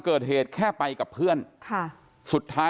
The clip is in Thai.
กลุ่มวัยรุ่นกลัวว่าจะไม่ได้รับความเป็นธรรมทางด้านคดีจะคืบหน้า